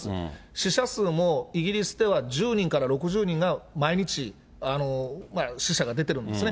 死者数もイギリスでは１０人から６０人が、毎日、死者が出てるんですね。